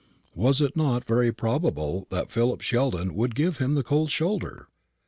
Was it not very probable that Philip Sheldon would give him the cold shoulder?